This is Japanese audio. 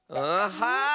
はい！